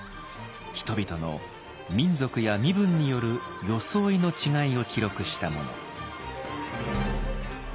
人々の民族や身分による装いの違いを記録したもの。